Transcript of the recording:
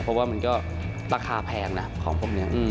เพราะว่ามันก็ราคาแพงนะของพวกนี้